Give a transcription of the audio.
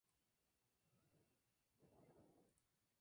Instalado ya en Madrid funda la compañía teatral "Avanti Teatro".